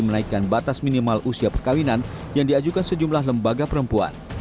menaikkan batas minimal usia perkawinan yang diajukan sejumlah lembaga perempuan